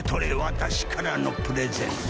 私からのプレゼント。